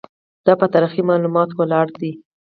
دا په تاریخي معلوماتو ولاړ دی.